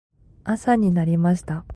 朝になりました。